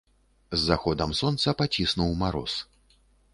З заходам сонца паціснуў мароз.